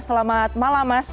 selamat malam mas